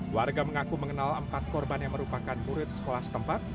warga mengaku mengenal empat korban yang merupakan murid sekolah setempat